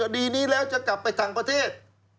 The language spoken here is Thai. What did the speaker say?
คดีนี้แล้วจะกลับไปต่างประเทศ